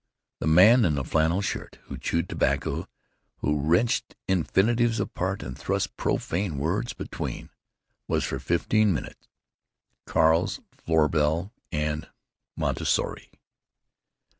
The man in the flannel shirt, who chewed tobacco, who wrenched infinitives apart and thrust profane words between, was for fifteen minutes Carl's Froebel and Montessori.